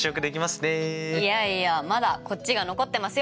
いやいやまだこっちが残ってますよ！